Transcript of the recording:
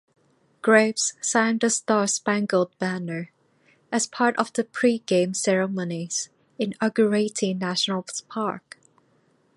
Graves sang "The Star-Spangled Banner" as part of the pre-game ceremonies inaugurating Nationals Park.